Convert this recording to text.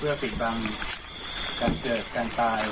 โดยไม่ได้ร่างอนุญาตให้เมืองวุดปืนปิดปืน